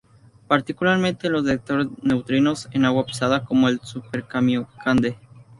Particularmente en los detectores de neutrinos en agua pesada como el Super-Kamiokande.